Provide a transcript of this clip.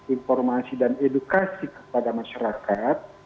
informasi dan edukasi kepada masyarakat